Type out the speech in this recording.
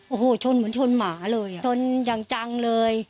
โอ้โหชนเหมือนชนหมาเลยอ่ะชนอย่างจังเลย